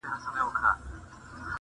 په کاشان کي به مي څه ښه په نصیب سي.!